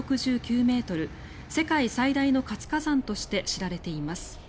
世界最大の活火山として知られています。